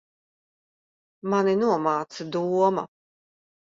Mani nomāca doma.